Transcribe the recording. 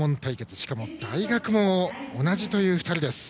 しかも大学も同じという２人です。